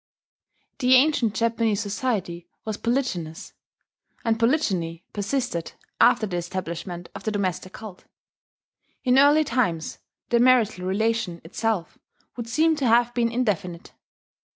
The ancient Japanese society was polygynous; and polygyny persisted, after the establishment of the domestic cult. In early times, the marital relation itself would seem to have been indefinite.